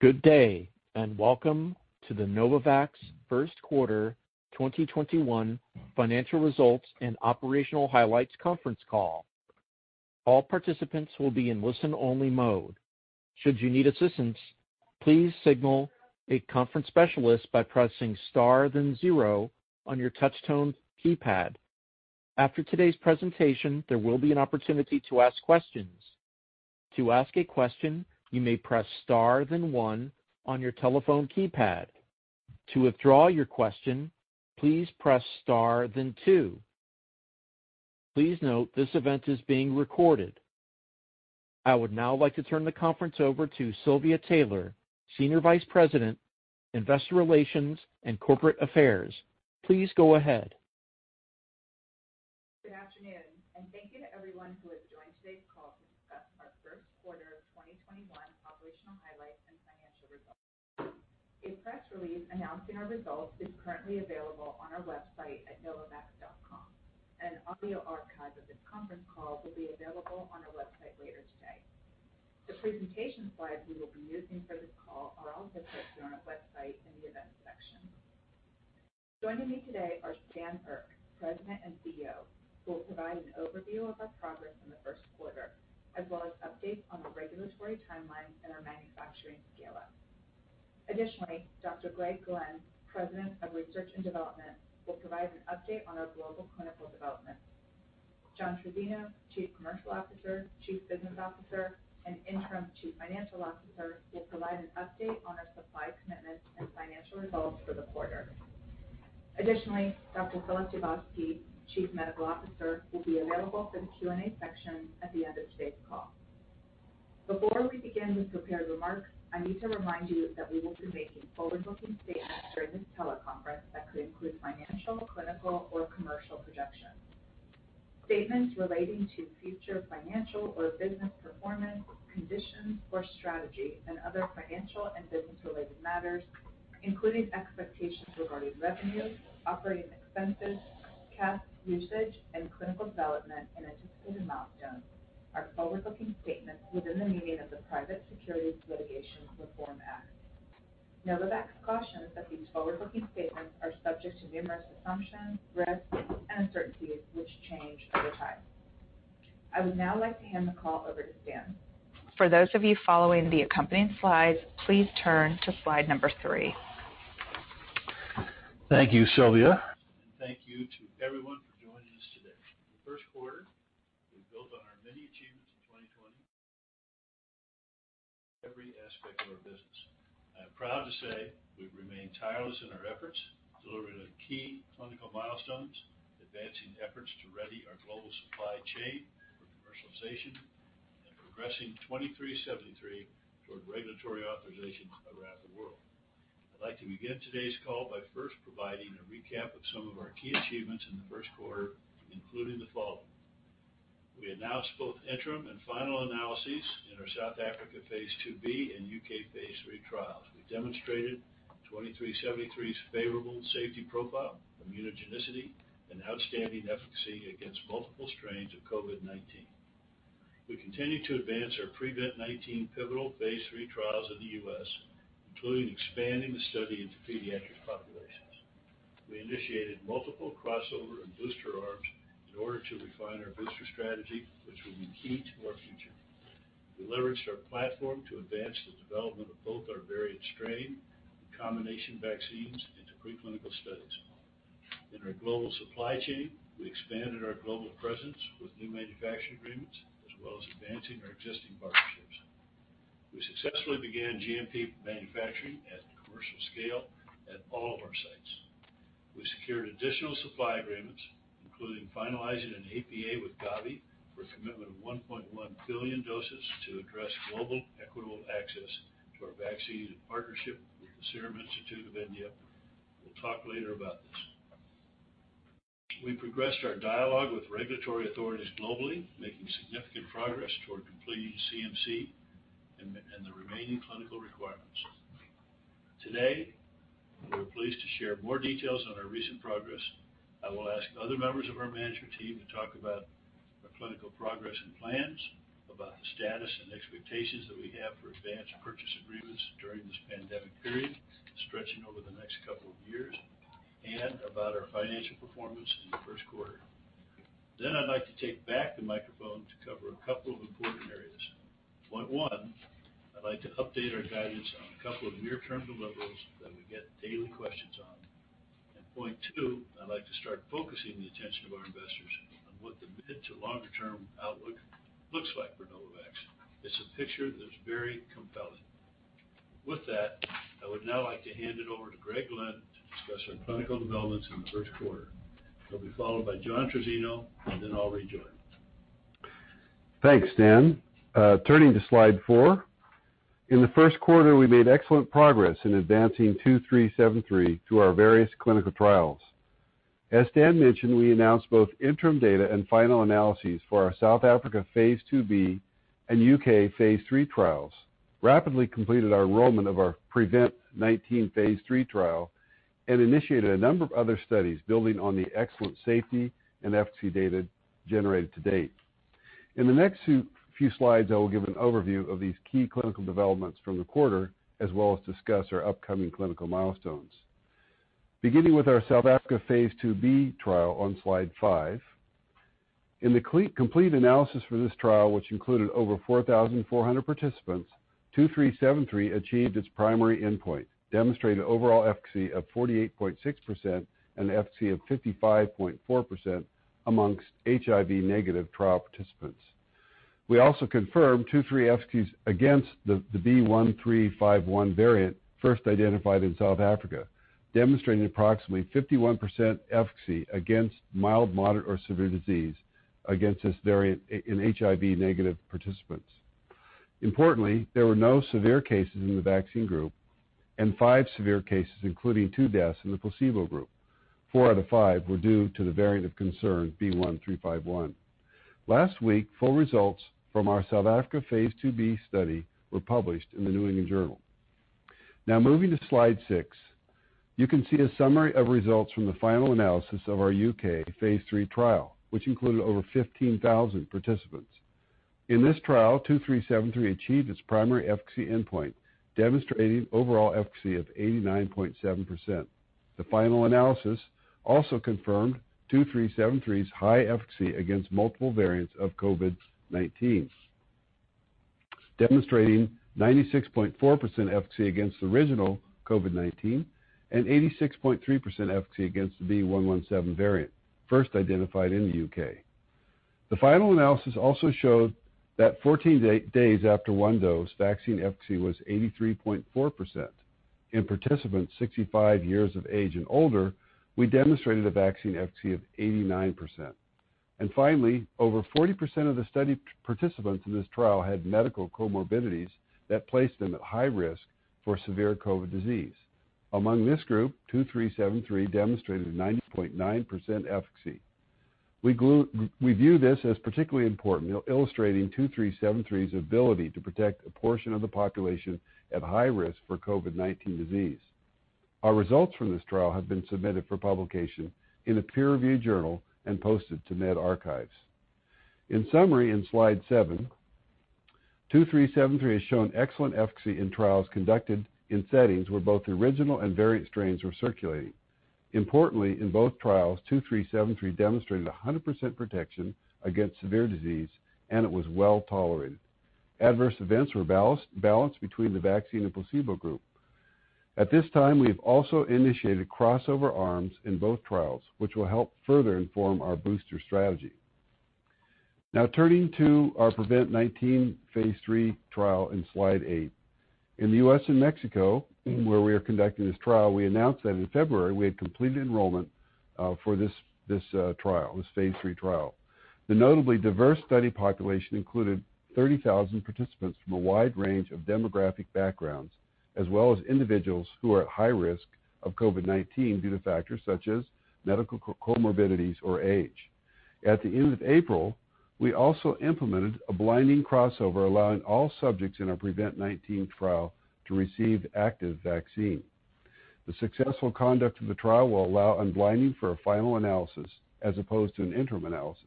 Good day, and welcome to the Novavax First Quarter 2021 Financial Results and Operational Highlights Conference Call. All participants will be in listen-only mode. Should you need assistance, please signal a conference specialist by pressing star then zero on your touch-tone keypad. After today's presentation, there will be an opportunity to ask questions. To ask a question, you may press star then one on your telephone keypad. To withdraw your question, please press star then two. Please note this event is being recorded. I would now. I would now like to turn the conference over to Silvia Taylor, Senior Vice President, Investor Relations and Corporate Affairs. Please go ahead. Good afternoon. Thank you to everyone who has joined today's call to discuss our first quarter of 2021 operational highlights and financial results. A press release announcing our results is currently available on our website at novavax.com. An audio archive of this conference call will be available on our website later today. The presentation slides we will be using for this call are also posted on our website in the Events section. Joining me today is Stan Erck, President and CEO, who will provide an overview of our progress in the first quarter, as well as updates on the regulatory timelines and our manufacturing scale-up. Additionally, Dr. Greg Glenn, President of Research and Development, will provide an update on our global clinical development. John Trizzino, Chief Commercial Officer, Chief Business Officer, and Interim Chief Financial Officer, will provide an update on our supply commitments and financial results for the quarter. Additionally, Dr. Filip Dubovsky, Chief Medical Officer, will be available for the Q&A section at the end of today's call. Before we begin with prepared remarks, I need to remind you that we will be making forward-looking statements during this teleconference that could include financial, clinical, or commercial projections. Statements relating to future financial or business performance, conditions or strategy, and other financial and business-related matters, including expectations regarding revenues, operating expenses, cash usage, and clinical development and anticipated milestones, are forward-looking statements within the meaning of the Private Securities Litigation Reform Act. Novavax cautions that these forward-looking statements are subject to numerous assumptions, risks, and uncertainties, which change over time. I would now like to hand the call over to Stan. For those of you following the accompanying slides, please turn to slide number three. Thank you, Silvia. Thank you to everyone for joining us today. In the first quarter, we built on our many achievements in 2020 in every aspect of our business. I am proud to say we've remained tireless in our efforts, delivering on key clinical milestones, advancing efforts to ready our global supply chain for commercialization, and progressing 2373 toward regulatory authorization around the world. I'd like to begin today's call by first providing a recap of some of our key achievements in the first quarter, including the following. We announced both interim and final analyses in our South Africa phase II-B and U.K. phase III trials. We demonstrated 2373's favorable safety profile, immunogenicity, and outstanding efficacy against multiple strains of COVID-19. We continued to advance our PREVENT-19 pivotal phase III trials in the U.S., including expanding the study into pediatric populations. We initiated multiple crossover and booster arms in order to refine our booster strategy, which will be key to our future. We leveraged our platform to advance the development of both our variant strain and combination vaccines into preclinical studies. In our global supply chain, we expanded our global presence with new manufacturing agreements as well as advancing our existing partnerships. We successfully began GMP manufacturing at commercial scale at all of our sites. We secured additional supply agreements, including finalizing an APA with Gavi for a commitment of 1.1 billion doses to address global equitable access to our vaccine in partnership with the Serum Institute of India. We'll talk later about this. We progressed our dialogue with regulatory authorities globally, making significant progress toward completing CMC and the remaining clinical requirements. Today, we're pleased to share more details on our recent progress. I will ask other members of our management team to talk about our clinical progress and plans, about the status and expectations that we have for advance purchase agreements during this pandemic period stretching over the next couple of years, and about our financial performance in the first quarter. I'd like to take back the microphone to cover a couple of important areas. Point one, I'd like to update our guidance on a couple of near-term deliverables that we get daily questions on. Point two, I'd like to start focusing the attention of our investors on what the mid- to longer-term outlook looks like for Novavax. It's a picture that's very compelling. With that, I would now like to hand it over to Greg Glenn to discuss our clinical developments in the first quarter. He'll be followed by John Trizzino, and then I'll rejoin. Thanks, Stan. Turning to slide four. In the first quarter, we made excellent progress in advancing NVX-CoV2373 through our various clinical trials. As Stan mentioned, we announced both interim data and final analyses for our South Africa phase II-B and U.K. phase III trials, rapidly completed our enrollment of our PREVENT-19 phase III trial, and initiated a number of other studies building on the excellent safety and efficacy data generated to date. In the next few slides, I will give an overview of these key clinical developments from the quarter, as well as discuss our upcoming clinical milestones. Beginning with our South Africa phase II-B trial on slide five. In the complete analysis for this trial, which included over 4,400 participants, 2373 achieved its primary endpoint, demonstrating an overall efficacy of 48.6% and an efficacy of 55.4% amongst HIV-negative trial participants. We also confirmed [2373] efficacy against the B.1.351 variant, first identified in South Africa, demonstrating approximately 51% efficacy against mild, moderate, or severe disease against this variant in HIV-negative participants. Importantly, there were no severe cases in the vaccine group and five severe cases, including two deaths, in the placebo group. Four out of five were due to the variant of concern, B.1.351. Last week, full results from our South Africa phase II-B study were published in the New England Journal. Moving to slide six, you can see a summary of results from the final analysis of our U.K. phase III trial, which included over 15,000 participants. In this trial, 2373 achieved its primary efficacy endpoint, demonstrating an overall efficacy of 89.7%. The final analysis also confirmed 2373's high efficacy against multiple variants of COVID-19, demonstrating 96.4% efficacy against the original COVID-19, and 86.3% efficacy against the B.1.1.7 variant first identified in the U.K. The final analysis also showed that 14 days after one dose, vaccine efficacy was 83.4%. In participants 65 years of age and older, we demonstrated a vaccine efficacy of 89%. Finally, over 40% of the study participants in this trial had medical comorbidities that placed them at high risk for severe COVID disease. Among this group, 2373 demonstrated a 90.9% efficacy. We view this as particularly important, illustrating 2373's ability to protect a portion of the population at high risk for COVID-19 disease. Our results from this trial have been submitted for publication in a peer-reviewed journal and posted to medRxiv. In summary, in slide seven, 2373 has shown excellent efficacy in trials conducted in settings where both the original and variant strains were circulating. Importantly, in both trials, 2373 demonstrated 100% protection against severe disease, and it was well-tolerated. Adverse events were balanced between the vaccine and placebo groups. At this time, we have also initiated crossover arms in both trials, which will help further inform our booster strategy. Turning to our PREVENT-19 phase III trial in slide eight. In the U.S. and Mexico, where we are conducting this trial, we announced that in February, we had completed enrollment for this trial, this phase III trial. The notably diverse study population included 30,000 participants from a wide range of demographic backgrounds, as well as individuals who are at high risk of COVID-19 due to factors such as medical comorbidities or age. At the end of April, we also implemented a blinded crossover, allowing all subjects in our PREVENT-19 trial to receive the active vaccine. The successful conduct of the trial will allow unblinding for a final analysis as opposed to an interim analysis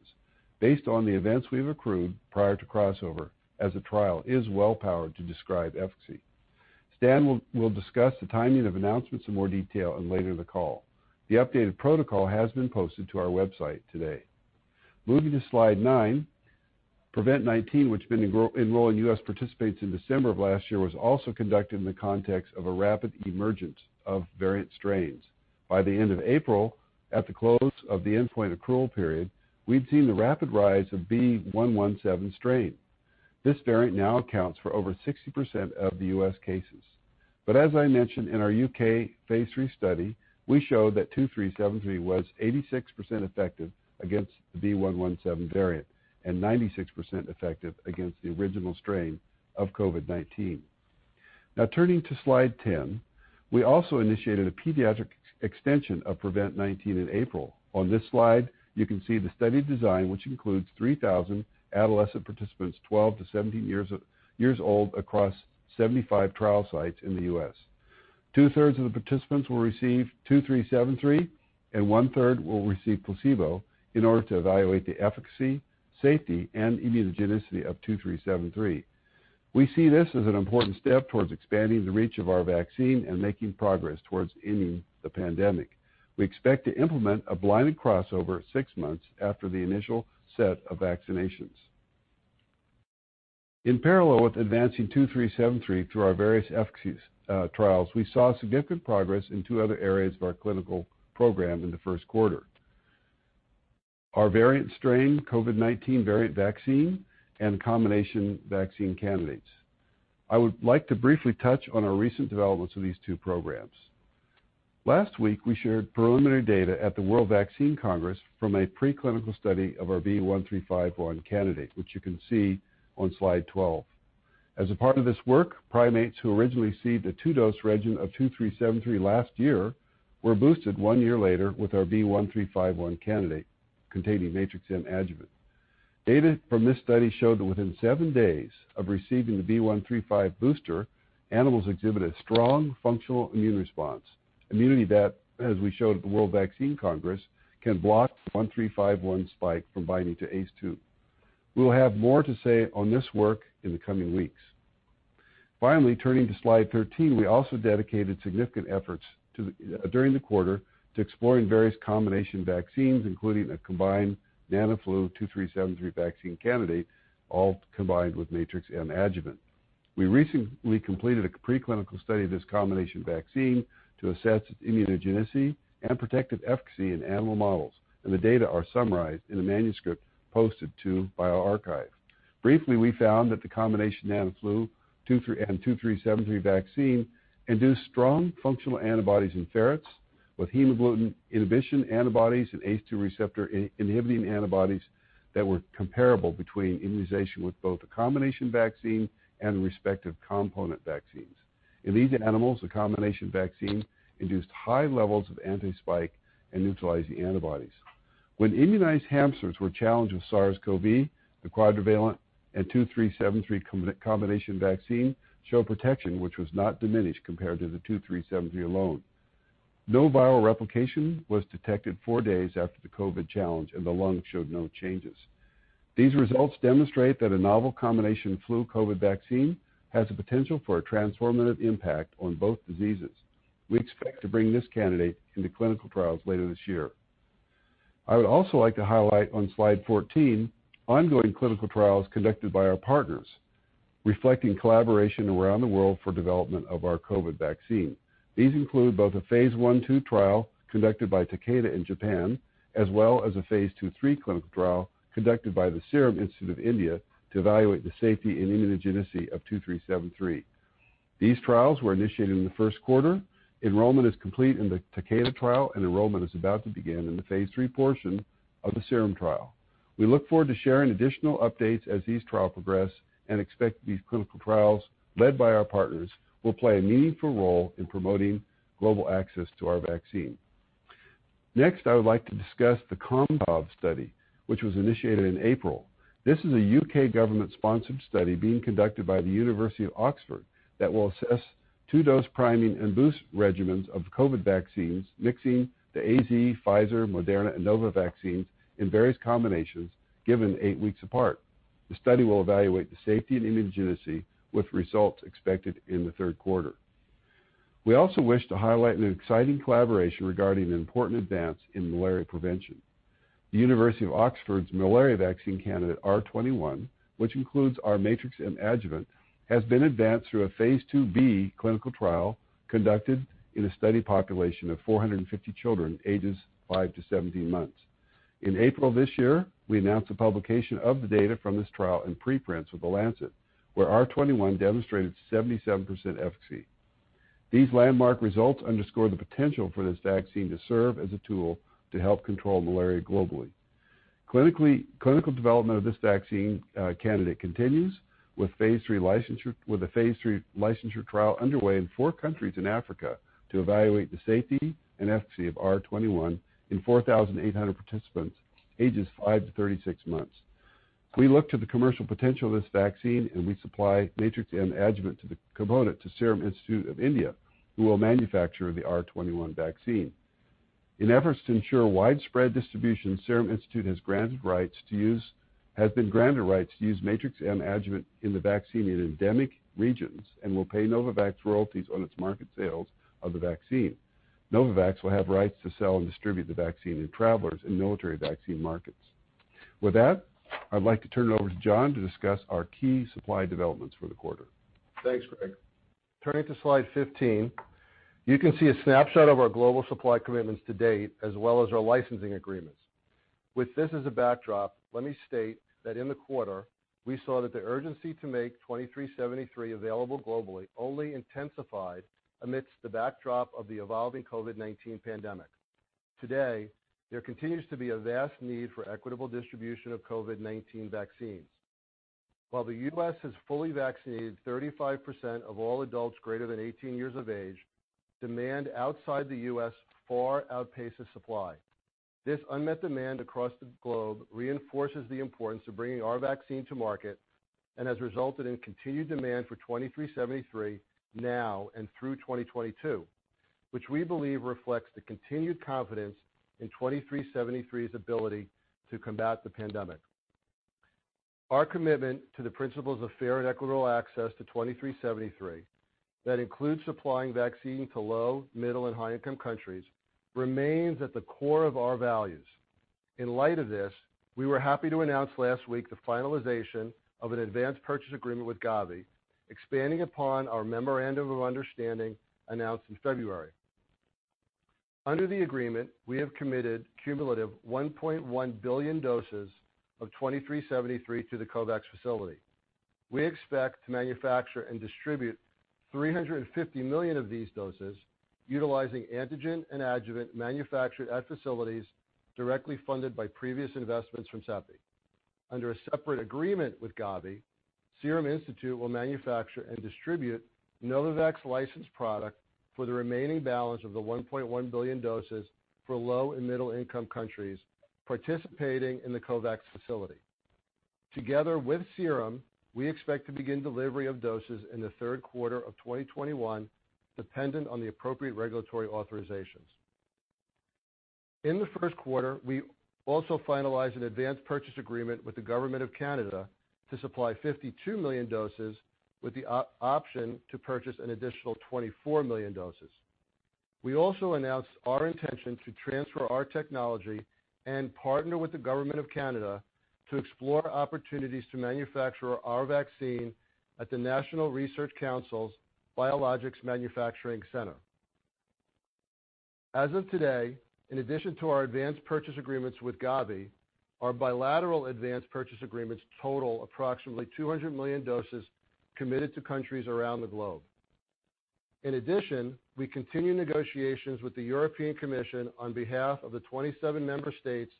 based on the events we've accrued prior to crossover, as the trial is well powered to describe efficacy. Stan will discuss the timing of announcements in more detail later in the call. The updated protocol has been posted to our website today. Moving to slide nine, PREVENT-19, which had been enrolling U.S. participants in December of last year, was also conducted in the context of a rapid emergence of variant strains. By the end of April, at the close of the endpoint accrual period, we'd seen the rapid rise of the B.1.1.7 strain. This variant now accounts for over 60% of the U.S. cases. As I mentioned in our U.K. phase III study, we showed that 2373 was 86% effective against the B.1.1.7 variant and 96% effective against the original strain of COVID-19. Turning to slide 10, we also initiated a pediatric extension of PREVENT-19 in April. On this slide, you can see the study design, which includes 3,000 adolescent participants 12 to 17 years old across 75 trial sites in the U.S. Two-thirds of the participants will receive 2373, and one-third will receive placebo in order to evaluate the efficacy, safety, and immunogenicity of 2373. We see this as an important step towards expanding the reach of our vaccine and making progress towards ending the pandemic. We expect to implement a blinded crossover six months after the initial set of vaccinations. In parallel with advancing 2373 through our various efficacy trials, we saw significant progress in two other areas of our clinical program in the first quarter. Our variant-strain COVID-19 variant vaccine and combination vaccine candidates. I would like to briefly touch on our recent developments in these two programs. Last week, we shared preliminary data at the World Vaccine Congress from a preclinical study of our B.1.351 candidate, which you can see on slide 12. As a part of this work, primates who originally received a two-dose regimen of 2373 last year were boosted one year later with our B.1.351 candidate containing Matrix-M adjuvant. Data from this study showed that within seven days of receiving the B.1.351 booster, animals exhibit a strong functional immune response. Immunity that, as we showed at the World Vaccine Congress, can block the B.1.351 spike from binding to ACE2. We will have more to say on this work in the coming weeks. Turning to slide 13, we also dedicated significant efforts during the quarter to exploring various combination vaccines, including a combined NanoFlu 2373 vaccine candidate, all combined with Matrix-M adjuvant. We recently completed a preclinical study of this combination vaccine to assess its immunogenicity and protective efficacy in animal models, and the data are summarized in a manuscript posted to bioRxiv. Briefly, we found that the combination of NanoFlu and the 2373 vaccine induced strong functional antibodies in ferrets with hemagglutination inhibition antibodies and ACE2 receptor-inhibiting antibodies that were comparable between immunization with both the combination vaccine and the respective component vaccines. In these animals, the combination vaccine induced high levels of anti-spike and neutralizing antibodies. When immunized hamsters were challenged with SARS-CoV-2, the quadrivalent and NVX-CoV2373 combination vaccine showed protection, which was not diminished compared to the NVX-CoV2373 alone. No viral replication was detected four days after the COVID challenge, and the lungs showed no changes. These results demonstrate that a novel combination flu-COVID vaccine has the potential for a transformative impact on both diseases. We expect to bring this candidate into clinical trials later this year. I would also like to highlight on slide 14, ongoing clinical trials conducted by our partners, reflecting collaboration around the world for the development of our COVID vaccine. These include both a Phase I/II trial conducted by Takeda in Japan, as well as a Phase II/III clinical trial conducted by the Serum Institute of India to evaluate the safety and immunogenicity of 2373. These trials were initiated in the first quarter. Enrollment is complete in the Takeda trial, enrollment is about to begin in the phase III portion of the Serum trial. We look forward to sharing additional updates as these trials progress and expect these clinical trials, led by our partners, will play a meaningful role in promoting global access to our vaccine. I would like to discuss the Com-COV study, which was initiated in April. This is a U.K. government-sponsored study being conducted by the University of Oxford that will assess two-dose priming and boost regimens of COVID vaccines, mixing the AZ, Pfizer, Moderna, and Novavax vaccines in various combinations given eight weeks apart. The study will evaluate the safety and immunogenicity, with results expected in the third quarter. We also wish to highlight an exciting collaboration regarding an important advance in malaria prevention. The University of Oxford's malaria vaccine candidate, R21, which includes our Matrix-M adjuvant, has been advanced through a phase II-B clinical trial conducted in a study population of 450 children, ages five-17 months. In April this year, we announced the publication of the data from this trial in preprints with The Lancet, where R21 demonstrated 77% efficacy. These landmark results underscore the potential for this vaccine to serve as a tool to help control malaria globally. Clinical development of this vaccine candidate continues with a phase III licensure trial underway in four countries in Africa to evaluate the safety and efficacy of R21 in 4,800 participants, ages five-36 months. We look to the commercial potential of this vaccine, and we supply the Matrix-M adjuvant to the component to the Serum Institute of India, who will manufacture the R21 vaccine. In efforts to ensure widespread distribution, Serum Institute of India has been granted rights to use Matrix-M adjuvant in the vaccine in endemic regions and will pay Novavax royalties on its market sales of the vaccine. Novavax will have rights to sell and distribute the vaccine in traveler and military vaccine markets. With that, I'd like to turn it over to John to discuss our key supply developments for the quarter. Thanks, Greg. Turning to slide 15, you can see a snapshot of our global supply commitments to date, as well as our licensing agreements. With this as a backdrop, let me state that in the quarter, we saw that the urgency to make 2373 available globally only intensified amidst the backdrop of the evolving COVID-19 pandemic. Today, there continues to be a vast need for equitable distribution of COVID-19 vaccines. While the U.S. has fully vaccinated 35% of all adults greater than 18 years of age, demand outside the U.S. far outpaces supply. This unmet demand across the globe reinforces the importance of bringing our vaccine to market and has resulted in continued demand for 2373 now and through 2022, which we believe reflects the continued confidence in 2373's ability to combat the pandemic. Our commitment to the principles of fair and equitable access to 2373, which includes supplying vaccines to low-, middle-, and high-income countries, remains at the core of our values. In light of this, we were happy to announce last week the finalization of an advance purchase agreement with Gavi, expanding upon our memorandum of understanding announced in February. Under the agreement, we have committed a cumulative 1.1 billion doses of 2373 to the COVAX Facility. We expect to manufacture and distribute 350 million of these doses utilizing antigen and adjuvant manufactured at facilities directly funded by previous investments from CEPI. Under a separate agreement with Gavi, the Serum Institute will manufacture and distribute the Novavax-licensed product for the remaining balance of the 1.1 billion doses for low- and middle-income countries participating in the COVAX Facility. Together with Serum, we expect to begin delivery of doses in the third quarter of 2021, dependent on the appropriate regulatory authorizations. In the first quarter, we also finalized an advance purchase agreement with the Government of Canada to supply 52 million doses with the option to purchase an additional 24 million doses. We also announced our intention to transfer our technology and partner with the Government of Canada to explore opportunities to manufacture our vaccine at the National Research Council's Biologics Manufacturing Centre. As of today, in addition to our advance purchase agreements with Gavi, our bilateral advance purchase agreements total approximately 200 million doses committed to countries around the globe. In addition, we continue negotiations with the European Commission on behalf of the 27 member states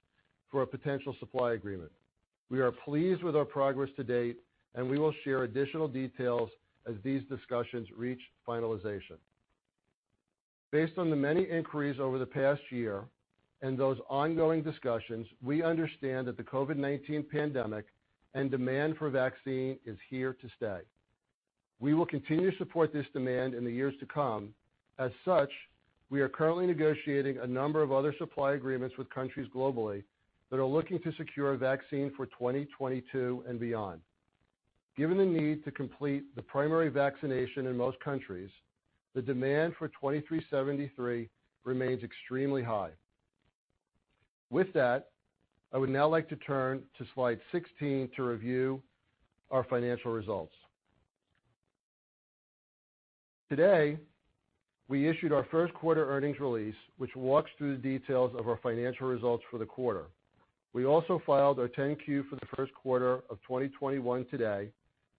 for a potential supply agreement. We are pleased with our progress to date, and we will share additional details as these discussions reach finalization. Based on the many inquiries over the past year and those ongoing discussions, we understand that the COVID-19 pandemic and demand for vaccines are here to stay. We will continue to support this demand in the years to come. As such, we are currently negotiating a number of other supply agreements with countries globally that are looking to secure a vaccine for 2022 and beyond. Given the need to complete the primary vaccination in most countries, the demand for 2373 remains extremely high. With that, I would now like to turn to slide 16 to review our financial results. Today, we issued our first quarter earnings release, which walks through the details of our financial results for the quarter. We also filed our 10-Q for the first quarter of 2021 today.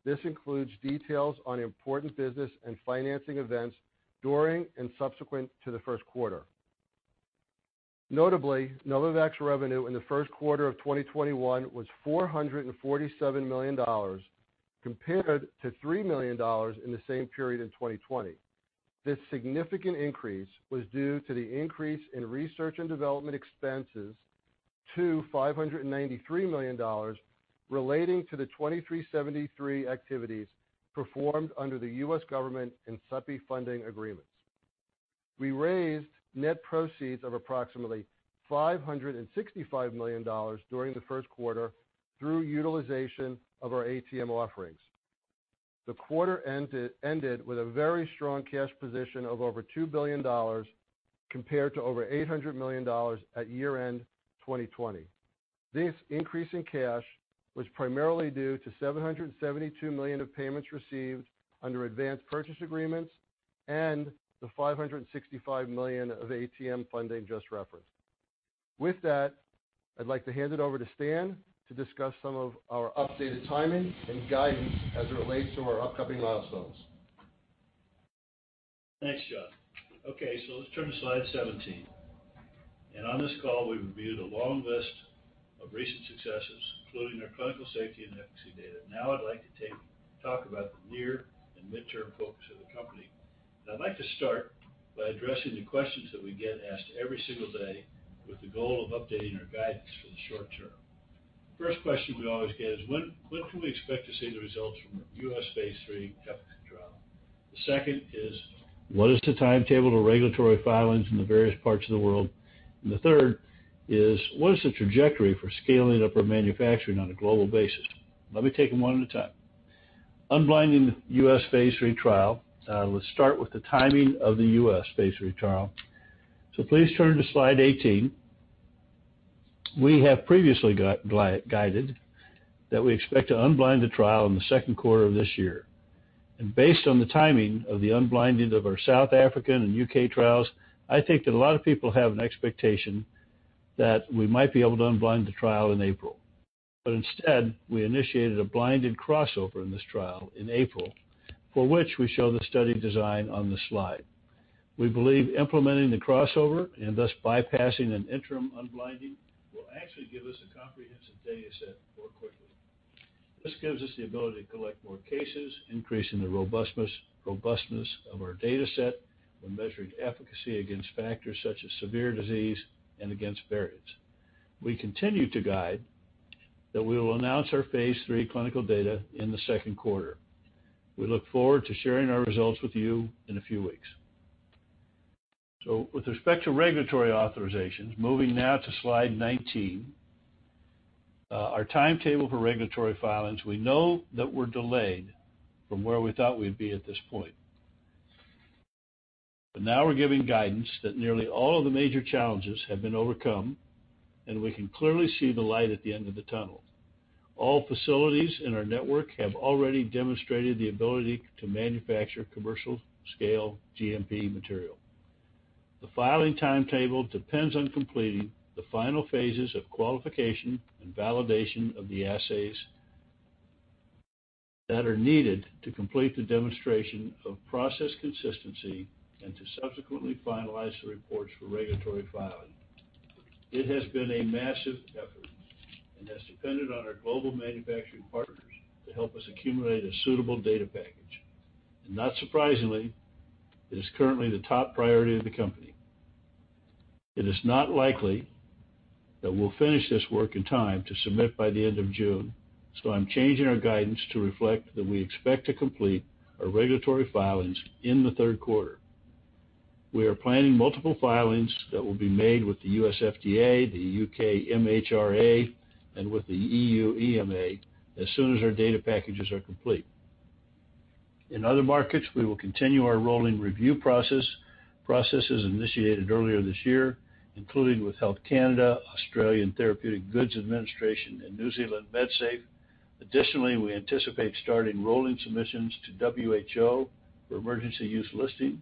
This includes details on important business and financing events during and subsequent to the first quarter. Notably, Novavax revenue in the first quarter of 2021 was $447 million, compared to $3 million in the same period in 2020. This significant increase was due to the increase in research and development expenses to $593 million relating to the 2373 activities performed under the U.S. government and CEPI funding agreements. We raised net proceeds of approximately $565 million during the first quarter through utilization of our ATM offerings. The quarter ended with a very strong cash position of over $2 billion, compared to over $800 million at year-end 2020. This increase in cash was primarily due to $772 million of payments received under advance purchase agreements and the $565 million of ATM funding just referenced. With that, I'd like to hand it over to Stan to discuss some of our updated timing and guidance as it relates to our upcoming milestones. Thanks, John. Okay, let's turn to slide 17. On this call, we reviewed a long list of recent successes, including our clinical safety and efficacy data. Now I'd like to talk about the near- and midterm focus of the company. I'd like to start by addressing the questions that we get asked every single day with the goal of updating our guidance for the short term. First question we always get is, when can we expect to see the results from the U.S. phase III efficacy trial? The second is, what is the timetable for regulatory filings in the various parts of the world? The third is, what is the trajectory for scaling up our manufacturing on a global basis? Let me take them one at a time. Unblinding the U.S. phase III trial. Let's start with the timing of the U.S. phase III trial. Please turn to slide 18. We have previously guided that we expect to unblind the trial in the second quarter of this year. Based on the timing of the unblinding of our South African and U.K. trials, I think that a lot of people have an expectation that we might be able to unblind the trial in April. Instead, we initiated a blinded crossover in this trial in April, for which we show the study design on the slide. We believe implementing the crossover and thus bypassing an interim unblinding will actually give us a comprehensive data set more quickly. This gives us the ability to collect more cases, increasing the robustness of our data set when measuring efficacy against factors such as severe disease and against variants. We continue to guide that we will announce our phase III clinical data in the second quarter. We look forward to sharing our results with you in a few weeks. With respect to regulatory authorizations, moving now to slide 19. Our timetable for regulatory filings: we know that we're delayed from where we thought we'd be at this point. Now we're giving guidance that nearly all of the major challenges have been overcome, and we can clearly see the light at the end of the tunnel. All facilities in our network have already demonstrated the ability to manufacture commercial-scale GMP material. The filing timetable depends on completing the final phases of qualification and validation of the assays that are needed to complete the demonstration of process consistency and to subsequently finalize the reports for regulatory filing. It has been a massive effort and has depended on our global manufacturing partners to help us accumulate a suitable data package. Not surprisingly, it is currently the top priority of the company. It is not likely that we'll finish this work in time to submit by the end of June, so I'm changing our guidance to reflect that we expect to complete our regulatory filings in the third quarter. We are planning multiple filings that will be made with the U.S. FDA, the U.K. MHRA, and the EU EMA as soon as our data packages are complete. In other markets, we will continue our rolling review processes initiated earlier this year, including with Health Canada, Therapeutic Goods Administration, and Medsafe. Additionally, we anticipate starting rolling submissions to the WHO for emergency use listing.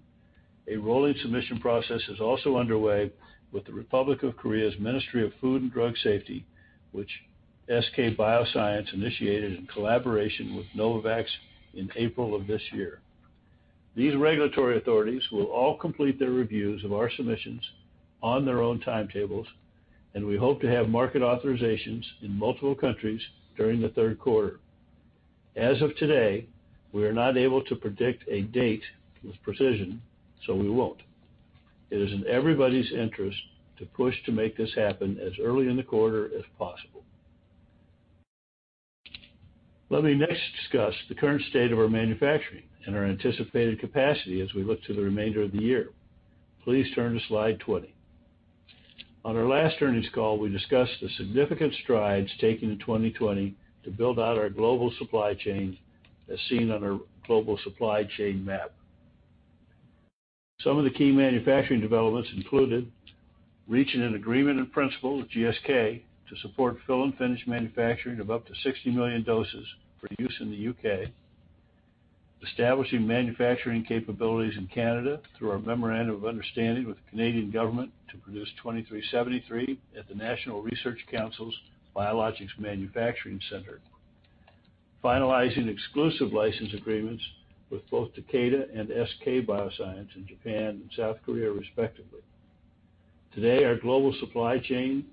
A rolling submission process is also underway with the Ministry of Food and Drug Safety, which SK Bioscience initiated in collaboration with Novavax in April of this year. These regulatory authorities will all complete their reviews of our submissions on their own timetables, and we hope to have market authorizations in multiple countries during the third quarter. As of today, we are not able to predict a date with precision, so we won't. It is in everybody's interest to push to make this happen as early in the quarter as possible. Let me next discuss the current state of our manufacturing and our anticipated capacity as we look to the remainder of the year. Please turn to slide 20. On our last earnings call, we discussed the significant strides taken in 2020 to build out our global supply chain, as seen on our global supply chain map. Some of the key manufacturing developments included reaching an agreement in principle with GSK to support fill and finish manufacturing of up to 60 million doses for use in the U.K., establishing manufacturing capabilities in Canada through our memorandum of understanding with the Canadian government to produce 2373 at the National Research Council's Biologics Manufacturing Centre, and finalizing exclusive license agreements with both Takeda and SK Bioscience in Japan and South Korea, respectively. Today, our global supply chain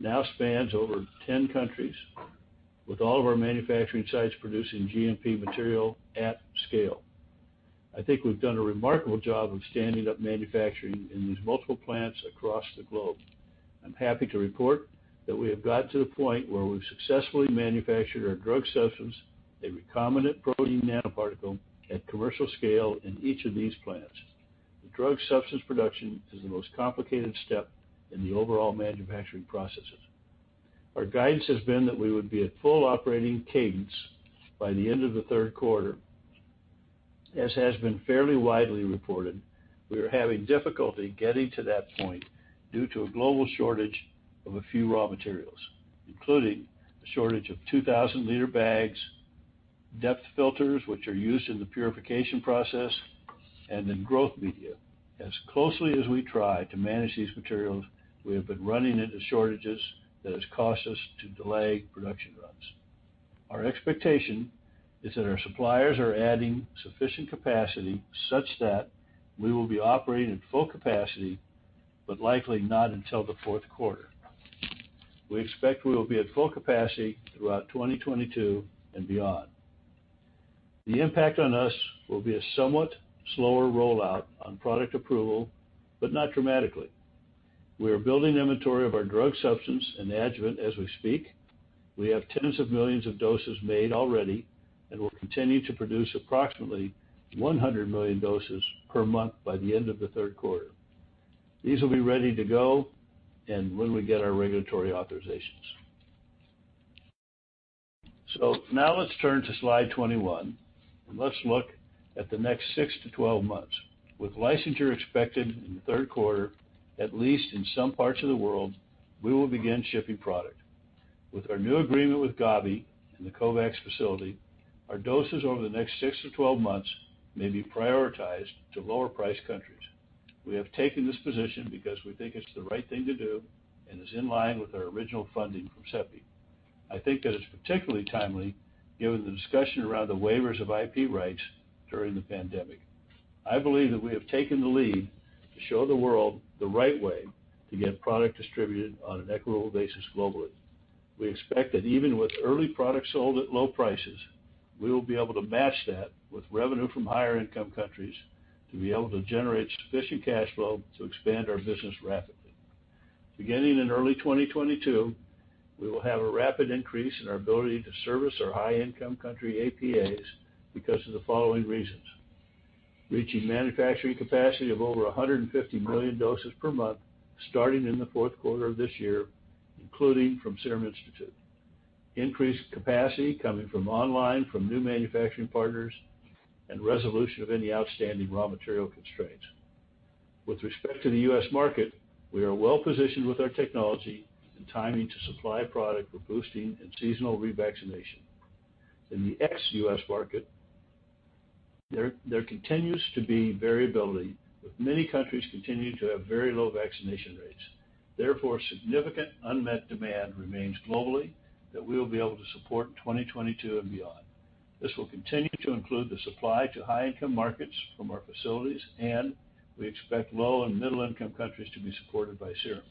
now spans over 10 countries, with all of our manufacturing sites producing GMP material at scale. I think we've done a remarkable job of standing up manufacturing in these multiple plants across the globe. I'm happy to report that we have gotten to the point where we've successfully manufactured our drug substance, a recombinant protein nanoparticle, at commercial scale in each of these plants. The drug substance production is the most complicated step in the overall manufacturing processes. Our guidance has been that we would be at full operating cadence by the end of the third quarter. As has been fairly widely reported, we are having difficulty getting to that point due to a global shortage of a few raw materials, including a shortage of 2,000-liter bags, depth filters, which are used in the purification process, and then growth media. As closely as we try to manage these materials, we have been running into shortages that have caused us to delay production runs. Our expectation is that our suppliers are adding sufficient capacity such that we will be operating at full capacity, but likely not until the fourth quarter. We expect we will be at full capacity throughout 2022 and beyond. The impact on us will be a somewhat slower rollout on product approval, but not dramatic. We are building an inventory of our drug substance and adjuvant as we speak. We have tens of millions of doses made already and will continue to produce approximately 100 million doses per month by the end of the third quarter. These will be ready to go when we get our regulatory authorizations. Now let's turn to slide 21, and let's look at the next six to 12 months. With licensure expected in the third quarter, at least in some parts of the world, we will begin shipping product. With our new agreement with Gavi and the COVAX Facility, our doses over the next six to 12 months may be prioritized to lower-price countries. We have taken this position because we think it's the right thing to do and is in line with our original funding from CEPI. I think that it's particularly timely given the discussion around the waivers of IP rights during the pandemic. I believe that we have taken the lead to show the world the right way to get products distributed on an equitable basis globally. We expect that even with early products sold at low prices, we will be able to match that with revenue from higher-income countries to be able to generate sufficient cash flow to expand our business rapidly. Beginning in early 2022, we will have a rapid increase in our ability to service our high-income country APAs because of the following reasons. Reaching manufacturing capacity of over 150 million doses per month, starting in the fourth quarter of this year, including from the Serum Institute. Increased capacity is coming online from new manufacturing partners and the resolution of any outstanding raw material constraints. With respect to the U.S. market, we are well-positioned with our technology and timing to supply product for boosting and seasonal revaccination. In the ex-U.S. market, there continues to be variability, with many countries continuing to have very low vaccination rates. Significant unmet demand remains globally that we will be able to support in 2022 and beyond. This will continue to include the supply to high-income markets from our facilities, and we expect low- and middle-income countries to be supported by Serum.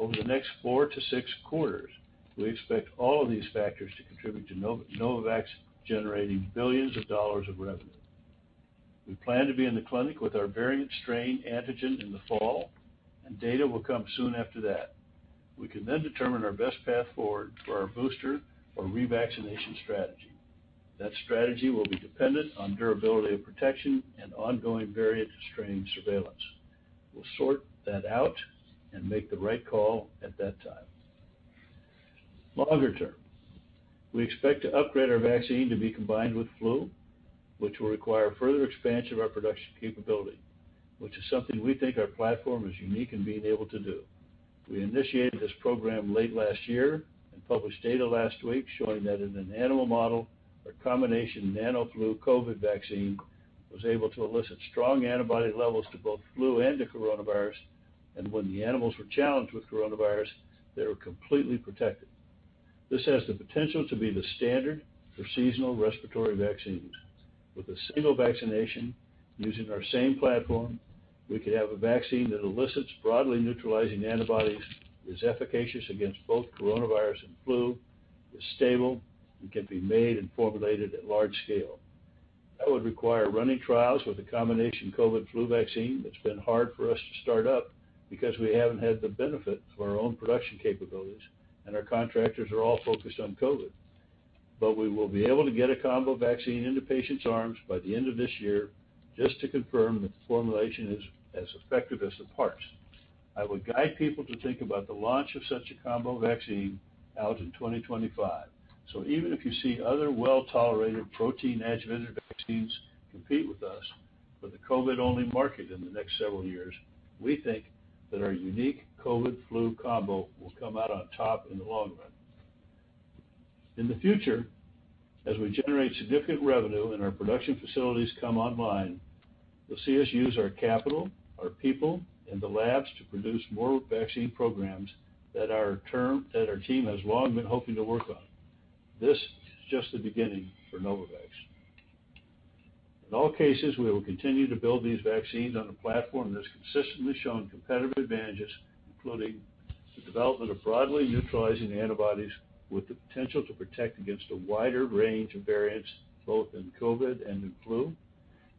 Over the next four to six quarters, we expect all of these factors to contribute to Novavax generating billions of dollars in revenue. We plan to be in the clinic with our variant strain antigen in the fall. Data will come soon after that. We can then determine our best path forward to our booster or revaccination strategy. That strategy will be dependent on durability of protection and ongoing variant strain surveillance. We'll sort that out and make the right call at that time. Longer term, we expect to upgrade our vaccine to be combined with flu, which will require further expansion of our production capability, which is something we think our platform is unique in being able to do. We initiated this program late last year and published data last week showing that in an animal model, our combination NanoFlu COVID vaccine was able to elicit strong antibody levels to both flu and to coronavirus, and when the animals were challenged with coronavirus, they were completely protected. This has the potential to be the standard for seasonal respiratory vaccines. With a single vaccination using our same platform, we could have a vaccine that elicits broadly neutralizing antibodies, is efficacious against both coronavirus and flu, is stable, and can be made and formulated at large scale. That would require running trials with a combination COVID flu vaccine that's been hard for us to start up because we haven't had the benefit of our own production capabilities, and our contractors are all focused on COVID. We will be able to get a combo vaccine into patients' arms by the end of this year just to confirm that the formulation is as effective as the parts. I would guide people to think about the launch of such a combo vaccine in 2025. Even if you see other well-tolerated protein adjuvant vaccines compete with us for the COVID-only market in the next several years, we think that our unique COVID flu combo will come out on top in the long run. In the future, as we generate significant revenue and our production facilities come online, you'll see us use our capital, our people, and the labs to produce more vaccine programs that our team has long been hoping to work on. This is just the beginning for Novavax. In all cases, we will continue to build these vaccines on a platform that's consistently shown competitive advantages, including the development of broadly neutralizing antibodies with the potential to protect against a wider range of variants, both in COVID-19 and in flu,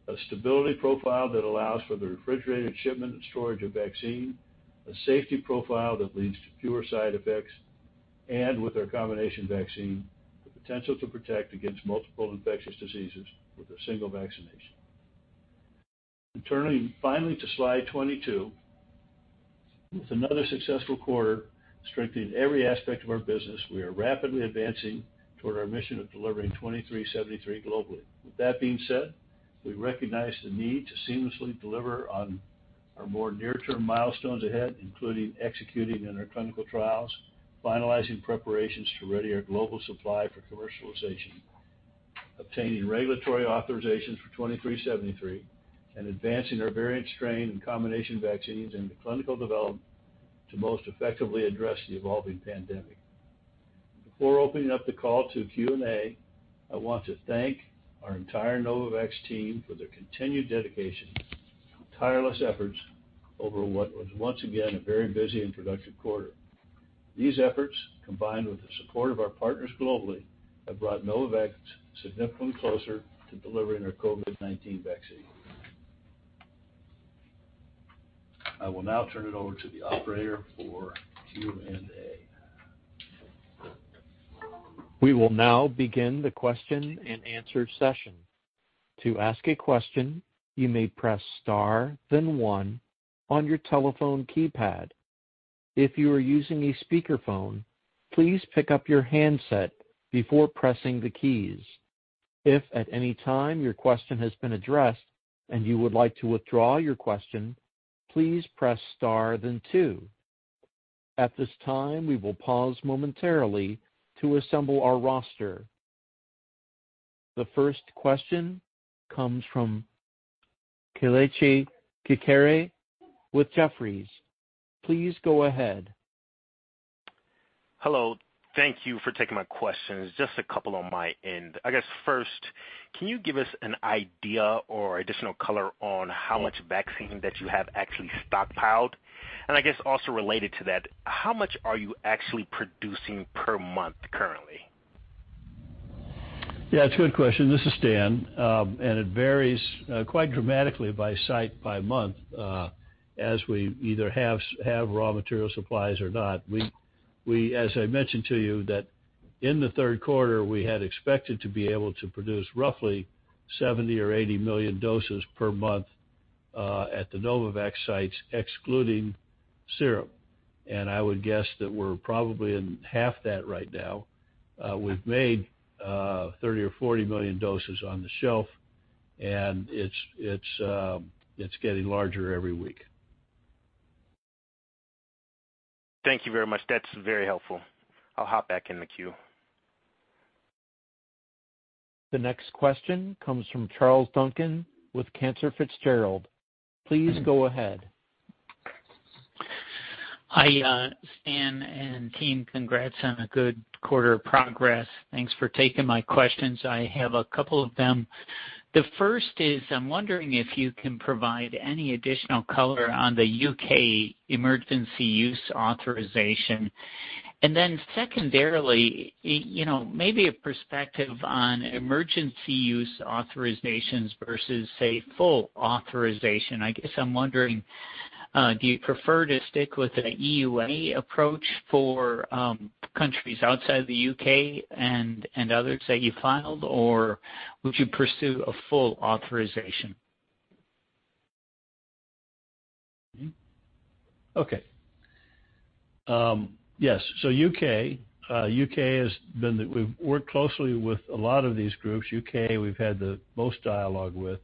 a stability profile that allows for the refrigerated shipment and storage of vaccine, a safety profile that leads to fewer side effects; and, with our combination vaccine, the potential to protect against multiple infectious diseases with a single vaccination. Turning finally to slide 22. With another successful quarter strengthening every aspect of our business, we are rapidly advancing toward our mission of delivering 2373 globally. With that being said, we recognize the need to seamlessly deliver on our more near-term milestones ahead, including executing in our clinical trials, finalizing preparations to ready our global supply for commercialization, obtaining regulatory authorizations for 2373, and advancing our variant strain and combination vaccines into clinical development to most effectively address the evolving pandemic. Before opening up the call to Q&A, I want to thank our entire Novavax team for their continued dedication and tireless efforts over what was once again a very busy and productive quarter. These efforts, combined with the support of our partners globally, have brought Novavax significantly closer to delivering our COVID-19 vaccine. I will now turn it over to the operator for Q&A. We will now begin the question-and-answer session. To ask a question, you may press star then one on your telephone keypad. If you are using a speakerphone, please pick up your handset before pressing the keys. If at any time your question has been addressed and you would like to withdraw your question, please press star then two. At this time, we will pause momentarily to assemble our roster. The first question comes from Kelechi Chikere with Jefferies. Please go ahead. Hello. Thank you for taking my questions. Just a couple on my end. I guess first, can you give us an idea or additional color on how much vaccine you have actually stockpiled? Also related to that, how much are you actually producing per month currently? Yeah, it's a good question. This is Stan. It varies quite dramatically by site by month, as we either have raw material supplies or not. As I mentioned to you, in the third quarter, we had expected to be able to produce roughly 70 or 80 million doses per month at the Novavax sites, excluding Serum. I would guess that we're probably in half that right now. We've made 30 or 40 million doses on the shelf, and it's getting larger every week. Thank you very much. That's very helpful. I'll hop back in the queue. The next question comes from Charles Duncan with Cantor Fitzgerald. Please go ahead. Hi, Stan and team. Congrats on a good quarter of progress. Thanks for taking my questions. I have a couple of them. The first is I'm wondering if you can provide any additional color on the U.K. Emergency Use Authorization. Secondarily, maybe a perspective on emergency use authorizations versus, say, full authorization. I guess I'm wondering, do you prefer to stick with an EUA approach for countries outside the U.K. and others that you filed, or would you pursue a full authorization? Okay. Yes, U.K., we've worked closely with a lot of these groups. The U.K., we've had the most dialogue with,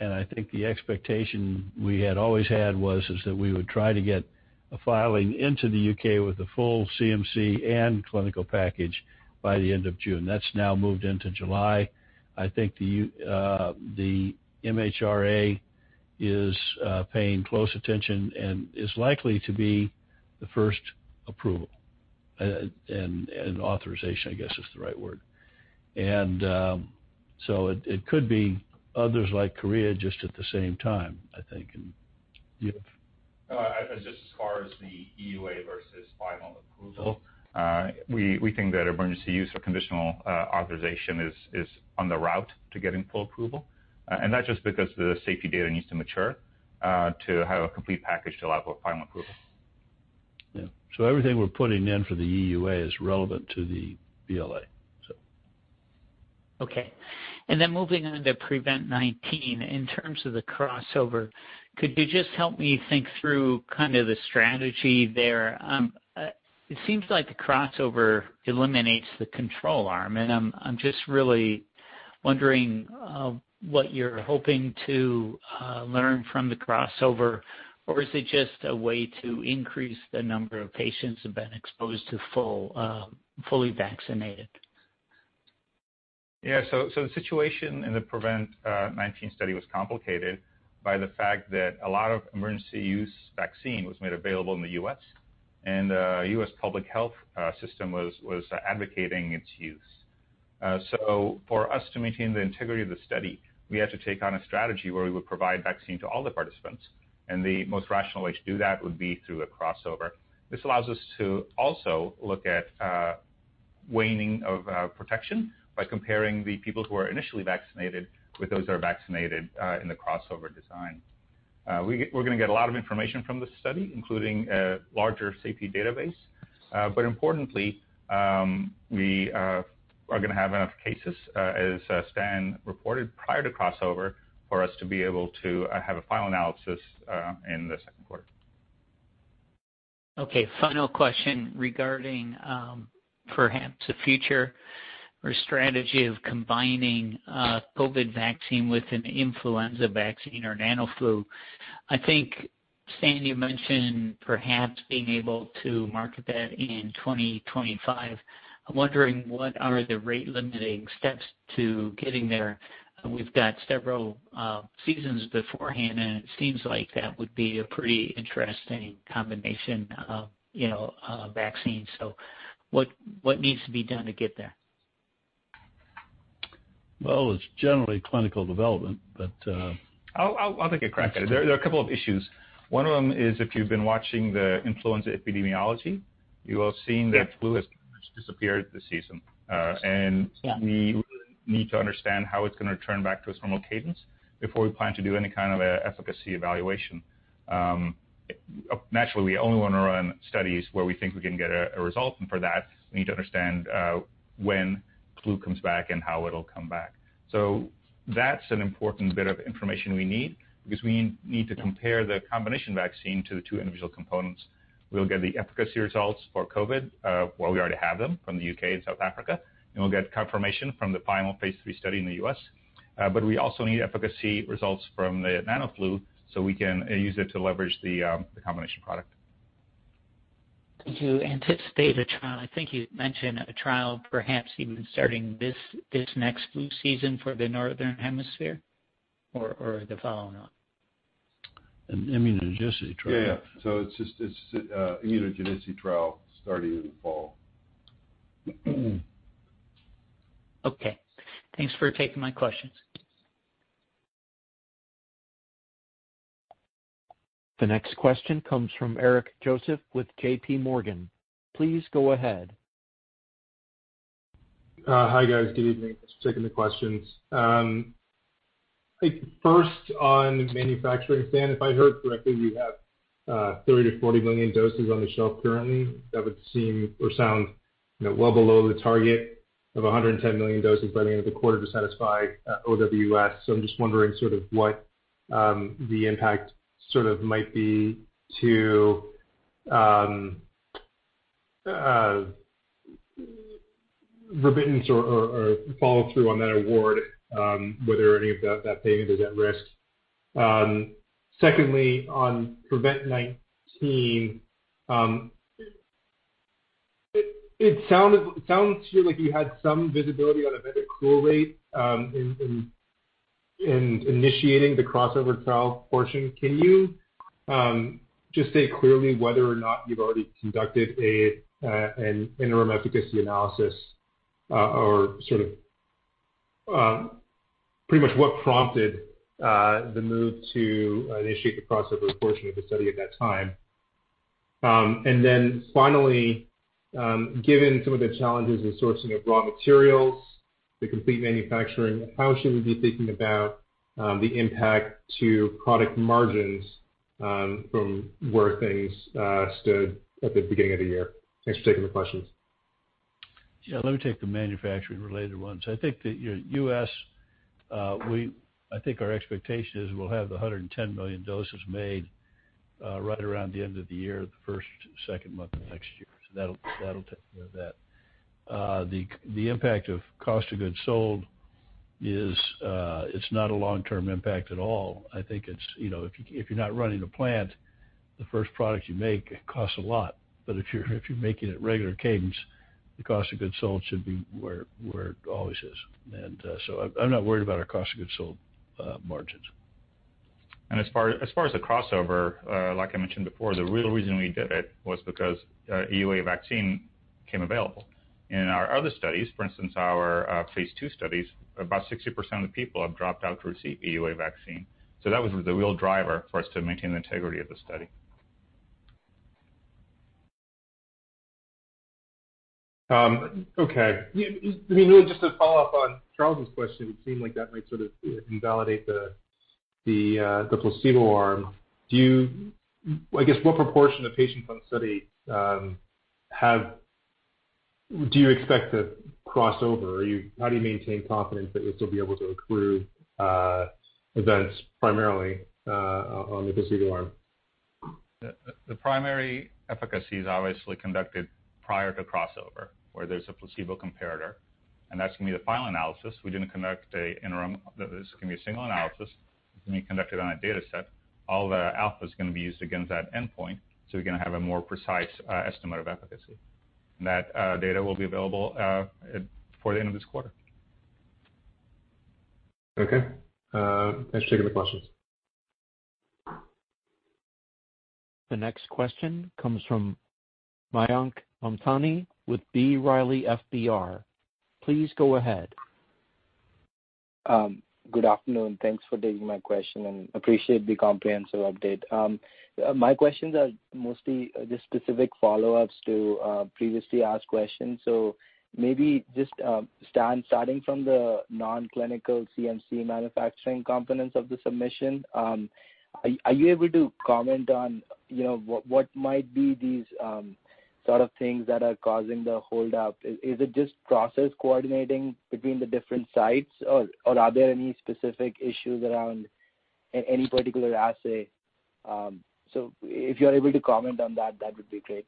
and I think the expectation we had always had was that we would try to get a filing into the U.K. with a full CMC and clinical package by the end of June. That's now moved into July. I think the MHRA is paying close attention and is likely to be the first approval, and authorization, I guess, is the right word. It could be others like Korea just at the same time, I think. Filip. Just as far as the EUA versus final approval, we think that emergency use or conditional authorization is on the route to getting full approval. That's just because the safety data needs to mature to have a complete package to allow for final approval. Yeah. Everything we're putting in for the EUA is relevant to the BLA. Okay. Moving on to PREVENT-19, in terms of the crossover, could you just help me think through kind of the strategy there? It seems like the crossover eliminates the control arm. I'm just really wondering what you're hoping to learn from the crossover, or is it just a way to increase the number of patients who've been exposed to fully vaccinated? Yeah. The situation in the PREVENT-19 study was complicated by the fact that a lot of emergency use vaccine was made available in the U.S., and the U.S. public health system was advocating its use. For us to maintain the integrity of the study, we had to take on a strategy where we would provide the vaccine to all the participants, and the most rational way to do that would be through a crossover. This allows us to also look at waning of protection by comparing the people who are initially vaccinated with those who are vaccinated in the crossover design. We're going to get a lot of information from this study, including a larger safety database. Importantly, we are going to have enough cases, as Stan reported, prior to crossover for us to be able to have a final analysis in the second quarter. Okay, final question regarding perhaps a future strategy of combining a COVID vaccine with an influenza vaccine or NanoFlu. I think, Stan, you mentioned perhaps being able to market that in 2025. I'm wondering what the rate-limiting steps to getting there are. We've had several seasons before. It seems like that would be a pretty interesting combination of vaccines. What needs to be done to get there? Well, it's generally clinical development. I'll take a crack at it. There are a couple of issues. One of them is if you've been watching the influenza epidemiology, you will have seen that the flu has disappeared this season. Yeah. We need to understand how it's going to return back to its normal cadence before we plan to do any kind of efficacy evaluation. Naturally, we only want to run studies where we think we can get a result, and for that, we need to understand when flu comes back and how it'll come back. That's an important bit of information we need because we need to compare the combination vaccine to the two individual components. We'll get the efficacy results for COVID; well, we already have them from the U.K. and South Africa, and we'll get confirmation from the final phase III study in the U.S. We also need efficacy results from the NanoFlu so we can use it to leverage the combination product. Do you anticipate a trial? I think you mentioned a trial perhaps even starting this next flu season for the northern hemisphere or the following one. Immunogenicity trial. Yeah. It's an immunogenicity trial starting in the fall. Okay. Thanks for taking my questions. The next question comes from Eric Joseph with J.P. Morgan. Please go ahead. Hi, guys. Good evening. Thanks for taking the questions. On manufacturing, Stan, if I heard correctly, you have 30 million-40 million doses on the shelf currently. That would seem or sound well below the target of 110 million doses by the end of the quarter to satisfy OWS. I'm just wondering what the impact might be on commitment or follow-through on that award, whether any of that payment is at risk. Secondly, on PREVENT-19, it sounds to me like you had some visibility on a event-accrual rate in initiating the crossover trial portion. Can you just state clearly whether or not you've already conducted an interim efficacy analysis? Pretty much what prompted the move to initiate the crossover portion of the study at that time. Then finally, given some of the challenges in sourcing raw materials and the complete manufacturing, how should we be thinking about the impact on product margins from where things stood at the beginning of the year? Thanks for taking the questions. Yeah. Let me take the manufacturing-related ones. I think that for our U.S., I think our expectation is we'll have 110 million doses made right around the end of the year, the first to second month of next year. That'll take care of that. The impact of the cost of goods sold is not a long-term impact at all. I think if you're not running a plant, the first product you make costs a lot, but if you're making it at a regular cadence, the cost of goods sold should be where it always is. I'm not worried about our cost of goods sold margins. As far as the crossover, like I mentioned before, the real reason we did it was because the EUA vaccine became available. In our other studies, for instance, our phase II studies, about 60% of the people have dropped out to receive the EUA vaccine. That was the real driver for us to maintain the integrity of the study. Okay. Just to follow up on Charles' question, it seemed like that might sort of invalidate the placebo arm. I guess, what proportion of patients in the study do you expect to cross over? How do you maintain confidence that you'll still be able to accrue events primarily on the placebo arm? The primary efficacy is obviously conducted prior to crossover, where there's a placebo comparator, that's going to be the final analysis. We didn't conduct an interim. This is going to be a single analysis. It's going to be conducted on a data set. All the alpha is going to be used against that endpoint, we're going to have a more precise estimate of efficacy. That data will be available before the end of this quarter. Okay. Thanks for taking the questions. The next question comes from Mayank Mamtani with B. Riley Securities. Please go ahead. Good afternoon. Thanks for taking my question, and I appreciate the comprehensive update. My questions are mostly just specific follow-ups to previously asked questions. Maybe just starting from the non-clinical CMC manufacturing components of the submission, are you able to comment on what might be these sorts of things that are causing the hold-up? Is it just process coordinating between the different sites, or are there any specific issues around any particular assay? If you're able to comment on that, it would be great.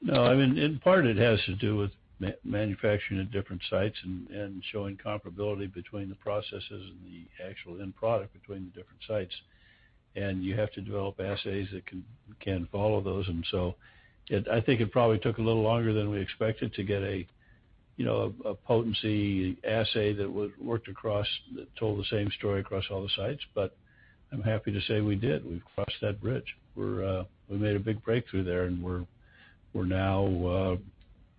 No, in part it has to do with manufacturing at different sites and showing comparability between the processes and the actual end product between the different sites. You have to develop assays that can follow those. I think it probably took a little longer than we expected to get a potency assay that told the same story across all the sites. I'm happy to say we did. We've crossed that bridge. We made a big breakthrough there, and we're now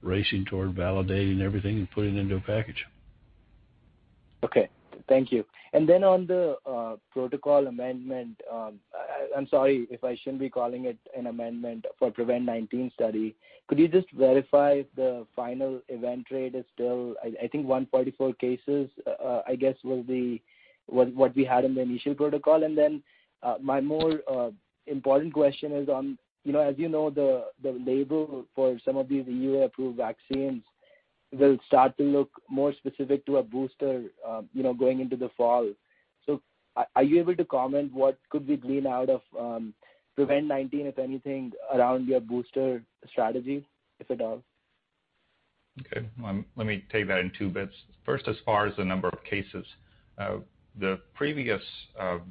racing toward validating everything and putting it into a package. Okay. Thank you. Regarding the protocol amendment, I'm sorry if I shouldn't be calling it an amendment for the PREVENT-19 study. Could you just verify if the final event rate is still, I think, 144 cases, I guess, which will be what we had in the initial protocol? My more important question is on, as you know, the label for some of these EUA-approved vaccines will start to look more specific to a booster going into the fall. Are you able to comment on what could be gleaned out of PREVENT-19, if anything, around your booster strategy, if at all? Okay. Let me take that in two bits. First, as far as the number of cases, the previous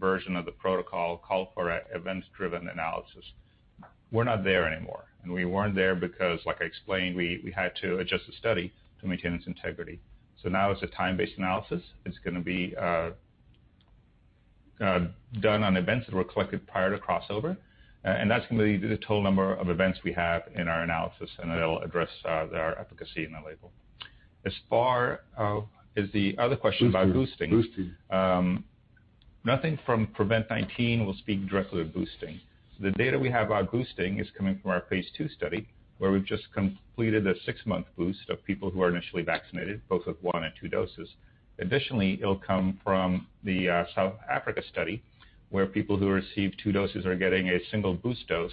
version of the protocol called for an event-driven analysis. We're not there anymore. We weren't there because, like I explained, we had to adjust the study to maintain its integrity. Now it's a time-based analysis. It's going to be done on events that were collected prior to crossover. That's going to be the total number of events we have in our analysis, and it'll address our efficacy in the label. As far as the other question about boosting— Boosting Nothing from PREVENT-19 will speak directly to boosting. The data we have about boosting is coming from our phase II study, where we've just completed a six-month boost of people who were initially vaccinated, both with one and two doses. Additionally, it'll come from the South Africa study, where people who received two doses are getting a single boost dose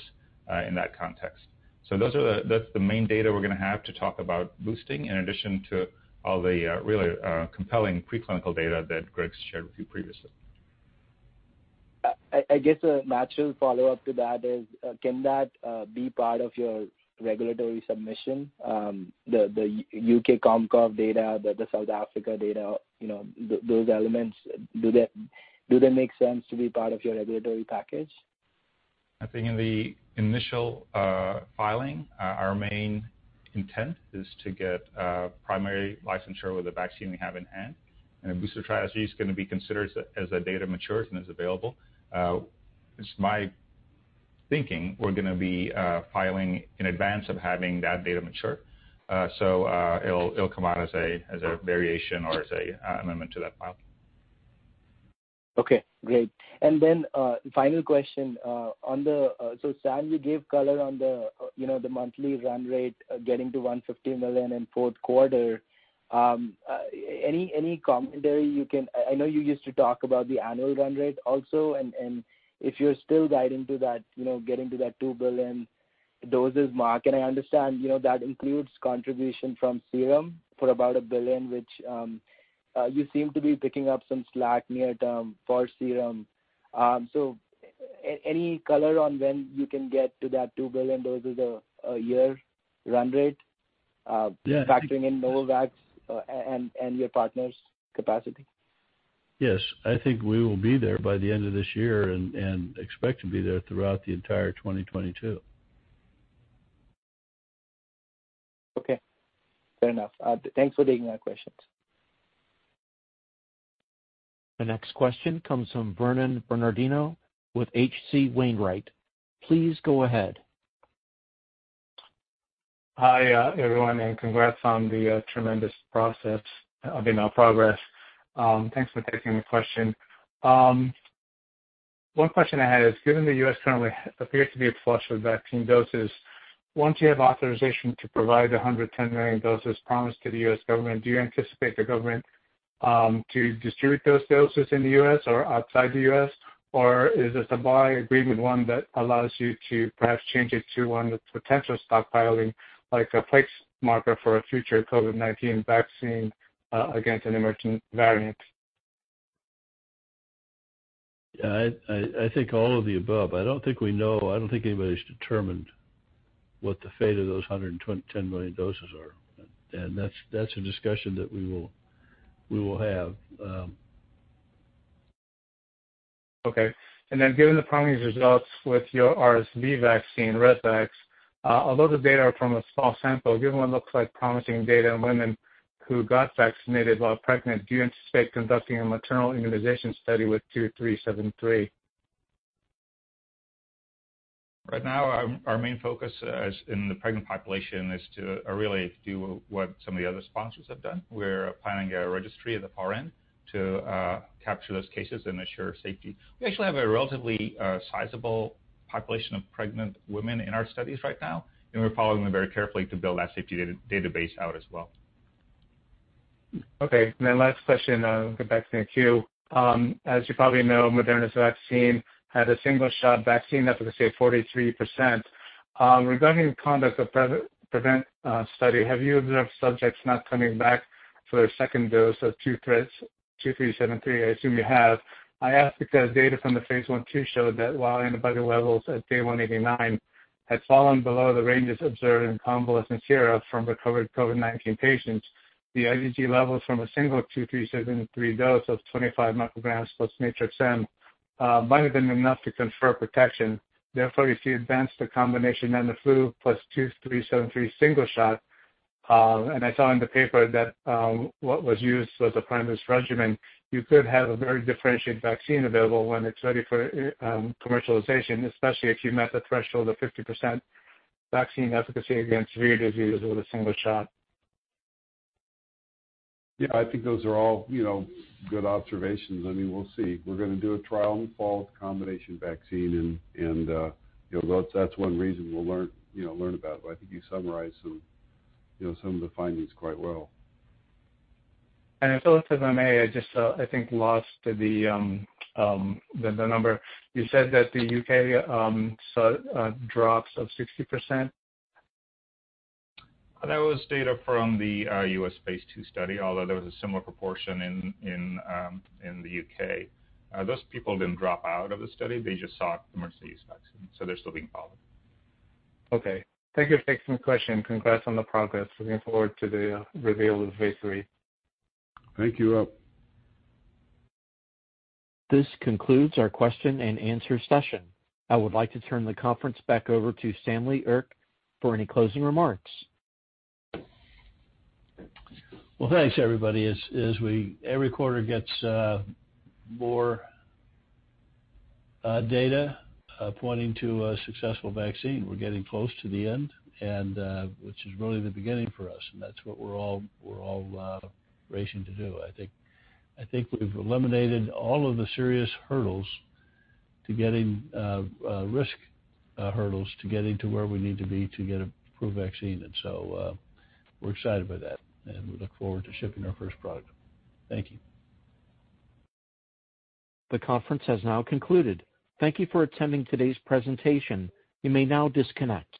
in that context. That's the main data we're going to have to talk about boosting, in addition to all the really compelling pre-clinical data that Greg's shared with you previously. I guess a natural follow-up to that is, can that be part of your regulatory submission? The U.K. Com-COV data, the South Africa data, those elements, do they make sense to be part of your regulatory package? I think in the initial filing, our main intent is to get primary licensure with the vaccine we have in hand, and a booster strategy is going to be considered as that data matures and is available. It's my thinking we're going to be filing in advance of having that data mature. It'll come out as a variation or as an amendment to that filing. Okay, great. Final question. Stan, you gave color on the monthly run rate getting to 150 million in the fourth quarter. Any commentary you can I know you used to talk about the annual run rate also, and if you're still guiding to that getting to that 2 billion doses mark? I understand that includes a contribution from Serum for about 1 billion, and you seem to be picking up some slack near term for Serum. Any color on when you can get to that 2 billion doses a year run rate? Yeah Factoring in Novavax and your partner's capacity? Yes. I think we will be there by the end of this year and expect to be there throughout the entire 2022. Okay. Fair enough. Thanks for taking my questions. The next question comes from Vernon Bernardino with H.C. Wainwright. Please go ahead. Hi, everyone, and congrats on the tremendous process. I mean, progress. Thanks for taking the question. One question I had is, given the U.S. currently appears to be flush with vaccine doses, once you have authorization to provide 110 million doses promised to the U.S. government, do you anticipate the government to distribute those doses in the U.S. or outside the U.S., or is this a buy agreement, one that allows you to perhaps change it to one with potential stockpiling, like a place marker for a future COVID-19 vaccine against an emerging variant? I think all of the above. I don't think we know. I don't think anybody's determined what the fate of those 110 million doses are. That's a discussion that we will have. Okay. Then given the promising results with your RSV vaccine, ResVax, although the data are from a small sample, given what looks like promising data in women who got vaccinated while pregnant, do you anticipate conducting a maternal immunization study with 2373? Right now, our main focus in the pregnant population is to really do what some of the other sponsors have done. We're planning a registry at the far end to capture those cases and assure safety. We actually have a relatively sizable population of pregnant women in our studies right now, and we're following them very carefully to build that safety database out as well. Okay. Last question, going back to the queue. As you probably know, Moderna's vaccine had a single-shot vaccine efficacy of 43%. Regarding the conduct of the PREVENT-19 study, have you observed subjects not coming back for a second dose of 2373? I assume you have. I ask because data from the phase I/II showed that while antibody levels at day 189 had fallen below the ranges observed in convalescent sera from recovered COVID-19 patients, the IgG levels from a single 2373 dose of 25 micrograms plus Matrix-M might have been enough to confer protection. If you advance the combination of NanoFlu plus 2373 single shot, and I saw in the paper that what was used was a primus regimen, you could have a very differentiated vaccine available when it's ready for commercialization, especially if you meet the threshold of 50% vaccine efficacy against severe disease with a single shot. Yeah. I think those are all good observations. I mean, we'll see. We're going to do a trial in the fall with a combination vaccine, and that's one reason we'll learn about it. I think you summarized some of the findings quite well. If I may, I just, I think, lost the number. You said that the U.K. saw drops of 60%? That was data from the U.S. phase II study, although there was a similar proportion in the U.K. Those people didn't drop out of the study. They just sought emergency-use vaccines. They're still being followed. Okay. Thank you for taking the question. Congrats on the progress. Looking forward to the reveal of phase III. Thank you. This concludes our question-and-answer session. I would like to turn the conference back over to Stanley Erck for any closing remarks. Well, thanks, everybody. As every quarter gets more data pointing to a successful vaccine, we're getting close to the end, which is really the beginning for us, and that's what we're all racing to do. I think we've eliminated all of the serious hurdles, risk hurdles, to getting to where we need to be to get an approved vaccine. We're excited by that, and we look forward to shipping our first product. Thank you. The conference has now concluded. Thank you for attending today's presentation. You may now disconnect.